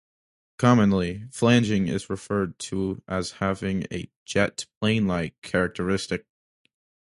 Commonly, flanging is referred to as having a "jet plane-like" characteristic.